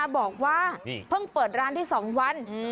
บอกว่าเพิ่งเปิดร้านได้๒วัน